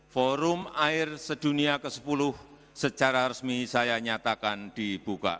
forum air sedunia ke sepuluh secara resmi saya nyatakan dibuka